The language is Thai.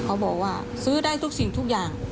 บอกว่าซื้อได้ทุกสิ่งทุกอย่าง